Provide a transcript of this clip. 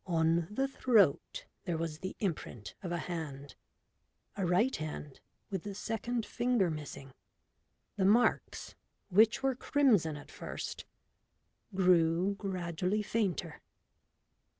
On the throat there was the imprint of a hand a right hand with the second finger missing. The marks, which were crimson at first, grew gradually fainter.